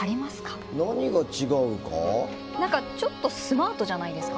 何かちょっとスマートじゃないですか？